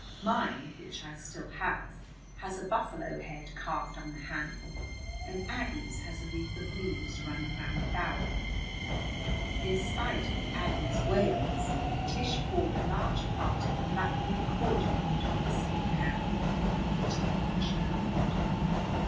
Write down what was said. Mine, which I still have, has a buffalo head carved on the handle, and Aggie's has a wreath of leaves running round the barrel. In spite of Aggie's wails Tish poured a large part of the blackberry cordial into a biscuit pan, and put in a chip of wood.